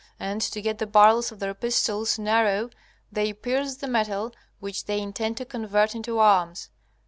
And to get the barrels of their pistols narrow they pierce the metal which they intend to convert into arms.